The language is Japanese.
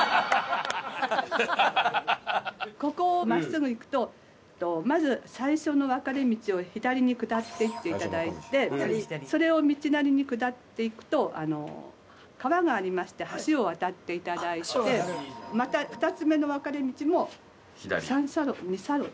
ここを真っすぐ行くとまず最初の分かれ道を左に下っていっていただいてそれを道なりに下っていくと川がありまして橋を渡っていただいてまた２つ目の分かれ道も三差路二差路かな？